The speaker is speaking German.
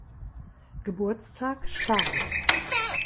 Geburtstag starb.